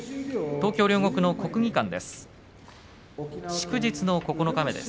東京・両国の国技館です。